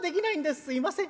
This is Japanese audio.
すいません。